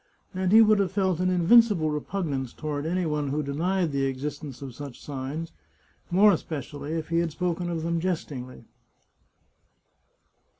And he would have felt an invincible repug nance toward any one who denied the existence of such signs, more especially if he had spoken of them jestingly.